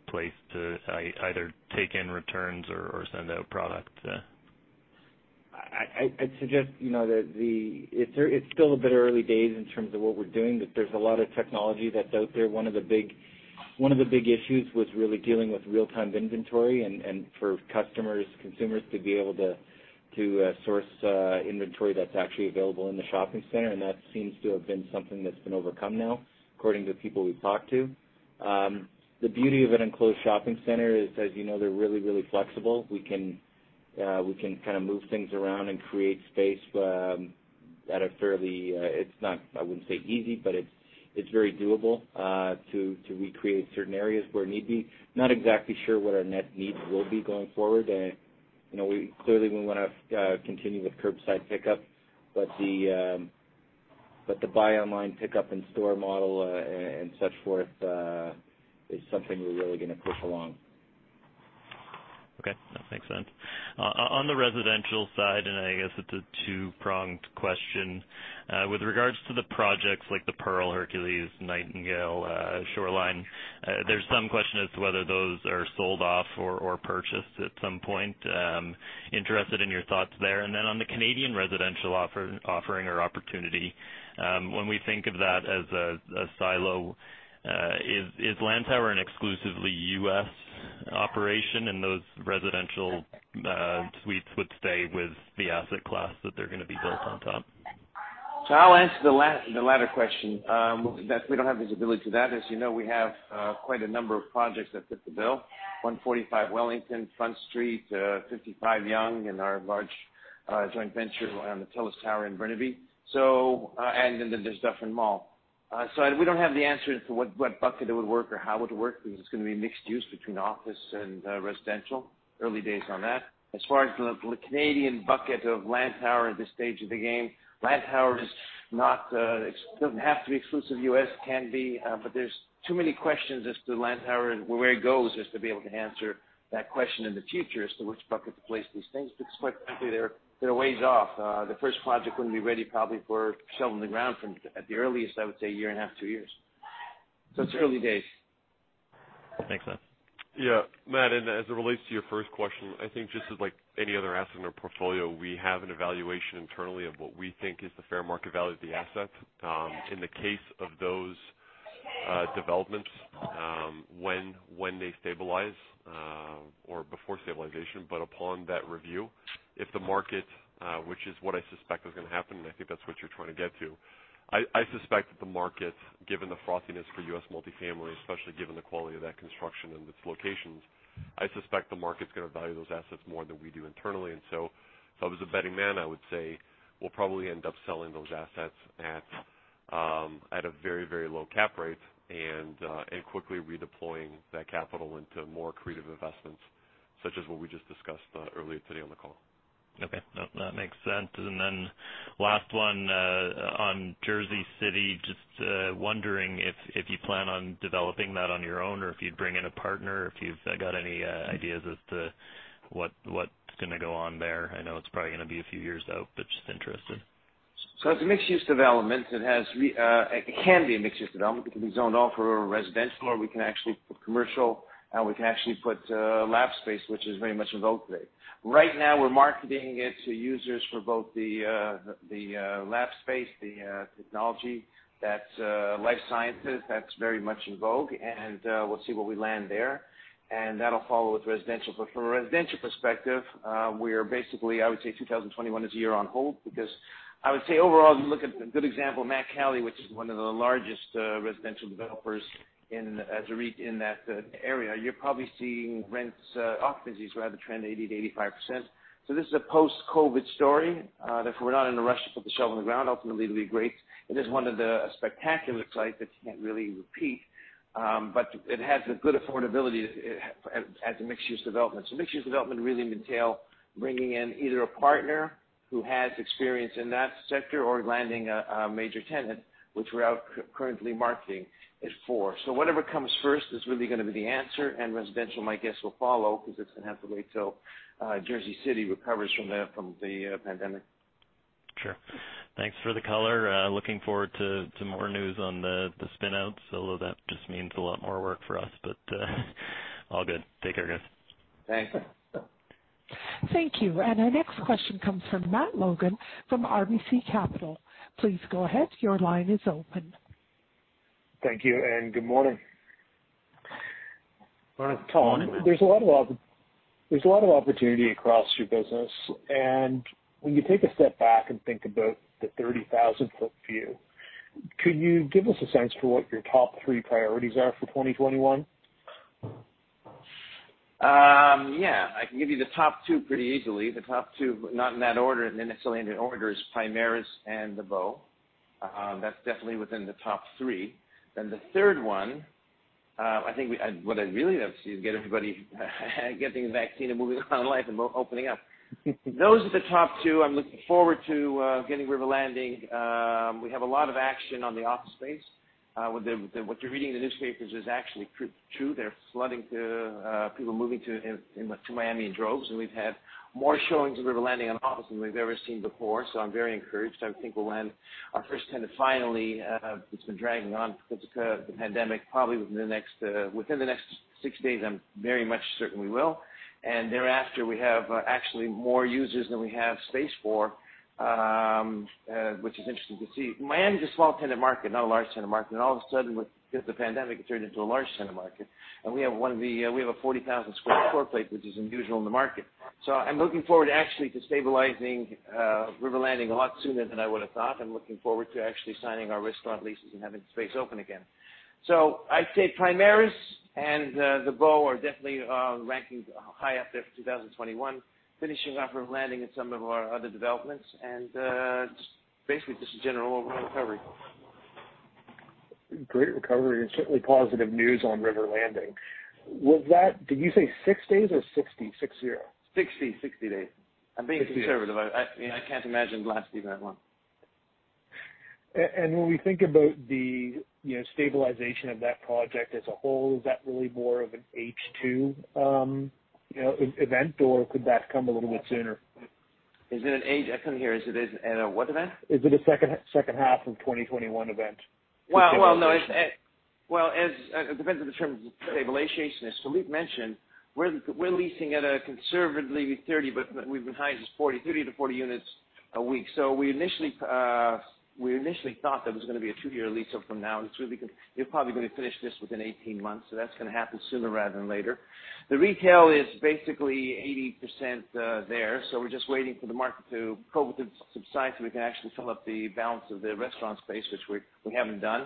place to either take in returns or send out product? I'd suggest that it's still a bit early days in terms of what we're doing. There's a lot of technology that's out there. One of the big issues was really dealing with real-time inventory and for customers, consumers to be able to source inventory that's actually available in the shopping center, and that seems to have been something that's been overcome now, according to the people we've talked to. The beauty of an enclosed shopping center is, as you know, they're really, really flexible. We can move things around and create space at a fairly, I wouldn't say easy, but it's very doable to recreate certain areas where need be. Not exactly sure what our net needs will be going forward. Clearly, we want to continue with curbside pickup, but the buy online, pickup in store model and such forth is something we're really going to push along. Okay. That makes sense. On the residential side, I guess it's a two-pronged question. With regards to the projects like The Pearl, Hercules, Nightingale, Shoreline, there's some question as to whether those are sold off or purchased at some point. Interested in your thoughts there. Then on the Canadian residential offering or opportunity, when we think of that as a silo, is Lantower an exclusively U.S. operation and those residential suites would stay with the asset class that they're going to be built on top? I'll answer the latter question. We don't have visibility to that. As you know, we have quite a number of projects that fit the bill. 145 Wellington, Front Street, 55 Yonge, and our large joint venture on the TELUS Garden in Burnaby. Then there's Dufferin Mall. We don't have the answer as to what bucket it would work or how it would work, because it's going to be mixed use between office and residential. Early days on that. As far as the Canadian bucket of Lantower at this stage of the game, Lantower doesn't have to be exclusive U.S. It can be, but there's too many questions as to Lantower and where it goes as to be able to answer that question in the future as to which bucket to place these things, because quite frankly, they're a ways off. The first project wouldn't be ready probably for shoveling the ground for at the earliest, I would say a year and a half, two years. It's early days. Makes sense. Yeah. Matt, as it relates to your first question, I think just as like any other asset in our portfolio, we have an evaluation internally of what we think is the fair market value of the asset. In the case of those developments, when they stabilize or before stabilization, upon that review, if the market, which is what I suspect is going to happen, and I think that's what you're trying to get to, I suspect that the market, given the frostiness for U.S. multifamily, especially given the quality of that construction and its locations, I suspect the market's going to value those assets more than we do internally. If I was a betting man, I would say we'll probably end up selling those assets at a very, very low cap rate and quickly redeploying that capital into more accretive investments, such as what we just discussed earlier today on the call. Okay. No, that makes sense. Last one on Jersey City, just wondering if you plan on developing that on your own or if you'd bring in a partner or if you've got any ideas as to what's going to go on there. I know it's probably going to be a few years out, just interested. It can be a mixed-use development. It can be zoned all for residential, or we can actually put commercial, and we can actually put lab space, which is very much in vogue today. Right now we're marketing it to users for both the lab space, the technology, that's life sciences, that's very much in vogue, and we'll see where we land there. That'll follow with residential. From a residential perspective, we're basically, I would say 2021 is a year on hold because I would say overall, look at a good example, Mack-Cali, which is one of the largest residential developers in that area. You're probably seeing rents, occupancies rather, trend 80%-85%. This is a post-COVID story. Therefore, we're not in a rush to put the shovel in the ground. Ultimately, it'll be great. It is one of the spectacular sites that you can't really repeat. It has a good affordability as a mixed-use development. Mixed-use development really entail bringing in either a partner who has experience in that sector or landing a major tenant, which we're out currently marketing it for. Whatever comes first is really going to be the answer, and residential, my guess, will follow because it's going to have to wait till Jersey City recovers from the pandemic. Sure. Thanks for the color. Looking forward to more news on the spin-out, although that just means a lot more work for us, but all good. Take care, guys. Thanks. Thank you. Our next question comes from Matt Logan from RBC Capital Markets. Please go ahead. Thank you, and good morning. Morning. Tom, there's a lot of opportunity across your business, and when you take a step back and think about the 30,000-foot view, could you give us a sense for what your top three priorities are for 2021? Yeah. I can give you the top two pretty easily. The top two, not in that order, necessarily any order, is Primaris and The Bow. That's definitely within the top three. The third one, I think what I'd really love to see is get everybody getting the vaccine and moving on with life and opening up. Those are the top two. I'm looking forward to getting River Landing. We have a lot of action on the office space. What you're reading in the newspapers is actually true. They're flooding. People moving to Miami in droves, and we've had more showings of River Landing on office than we've ever seen before. I'm very encouraged. I think we'll land our first tenant finally, it's been dragging on because of the pandemic, probably within the next six days, I'm very much certain we will. Thereafter, we have actually more users than we have space for, which is interesting to see. Miami is a small tenant market, not a large tenant market, all of a sudden, because the pandemic, it turned into a large tenant market. We have a 40,000 square foot plate, which is unusual in the market. I'm looking forward, actually, to stabilizing River Landing a lot sooner than I would've thought. I'm looking forward to actually signing our restaurant leases and having the space open again. I'd say Primaris and The Bow are definitely ranking high up there for 2021. Finishing off River Landing and some of our other developments, and basically just a general overall recovery. Great recovery and certainly positive news on River Landing. Did you say six days or 60? Six, zero. 60 days. I'm being conservative. I can't imagine it lasting that long. When we think about the stabilization of that project as a whole, is that really more of an H2 event, or could that come a little bit sooner? Is it an H? I couldn't hear. Is it a what event? Is it a H2 of 2021 event? No. It depends on the terms of the stabilization. Philippe Lapointe mentioned, we're leasing at a conservatively 30, but we've been high as 40, 30-40 units a week. We initially thought there was going to be a two-year lease up from now. We're probably going to finish this within 18 months, so that's going to happen sooner rather than later. The retail is basically 80% there. We're just waiting for the market to, COVID to subside, so we can actually fill up the balance of the restaurant space, which we haven't done.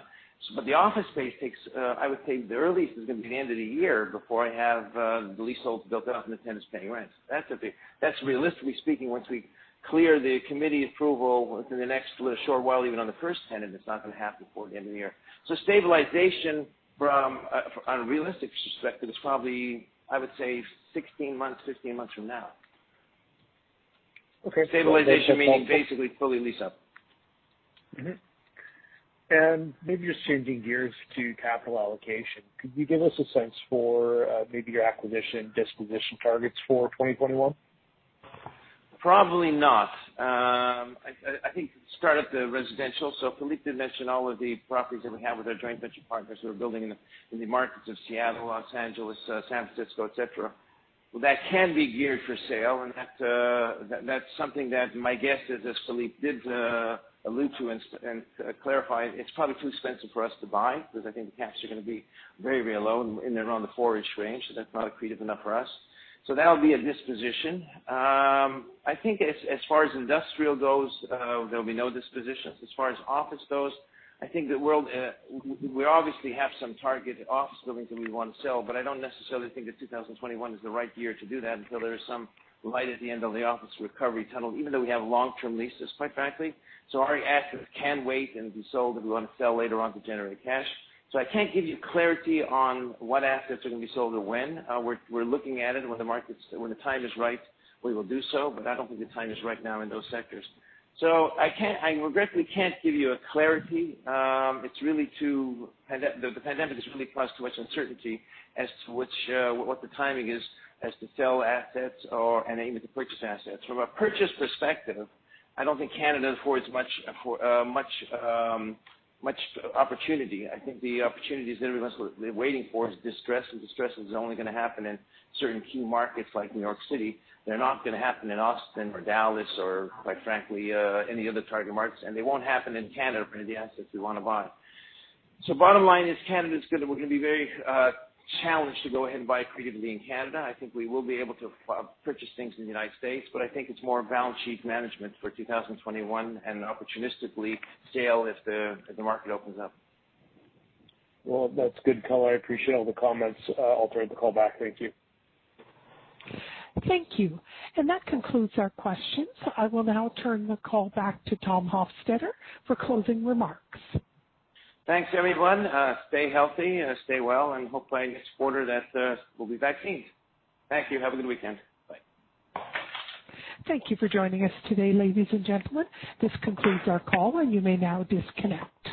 The office space takes, I would say, the earliest is going to be the end of the year before I have the leasehold built out and the tenants paying rent. That's realistically speaking, once we clear the committee approval within the next short while, even on the first tenant, it's not going to happen before the end of the year. Stabilization from a realistic perspective is probably, I would say 16 months, 15 months from now. Okay. Stabilization meaning basically fully leased up. Mm-hmm. Maybe just changing gears to capital allocation. Could you give us a sense for maybe your acquisition disposition targets for 2021? Probably not. I think start at the residential. Philippe did mention all of the properties that we have with our joint venture partners who are building in the markets of Seattle, Los Angeles, San Francisco, et cetera. Well, that can be geared for sale, and that's something that my guess is, as Philippe did allude to and clarify, it's probably too expensive for us to buy because I think the caps are going to be very, very low in and around the four-ish range, so that's not accretive enough for us. That'll be a disposition. I think as far as industrial goes, there'll be no dispositions. As far as office goes, I think that we obviously have some target office buildings that we want to sell, but I don't necessarily think that 2021 is the right year to do that until there is some light at the end of the office recovery tunnel, even though we have long-term leases, quite frankly. Our assets can wait and be sold if we want to sell later on to generate cash. I can't give you clarity on what assets are going to be sold or when. We're looking at it. When the time is right, we will do so. I don't think the time is right now in those sectors. I regretfully can't give you a clarity. The pandemic has really caused too much uncertainty as to what the timing is as to sell assets or, and even to purchase assets. From a purchase perspective, I don't think Canada affords much opportunity. I think the opportunities that everyone's waiting for is distress. Distress is only going to happen in certain key markets like New York City. They're not going to happen in Austin or Dallas or, quite frankly, any other target markets. They won't happen in Canada for the assets we want to buy. Bottom line is, Canada is going to be very challenged to go ahead and buy accretively in Canada. I think we will be able to purchase things in the United States, but I think it's more balance sheet management for 2021, and opportunistically scale as the market opens up. Well, that's good color. I appreciate all the comments. I'll turn the call back. Thank you. Thank you. That concludes our questions. I will now turn the call back to Tom Hofstedter for closing remarks. Thanks, everyone. Stay healthy, stay well, and hopefully in Q4 that we'll be vaccines. Thank you. Have a good weekend. Bye. Thank you for joining us today, ladies and gentlemen. This concludes our call, and you may now disconnect.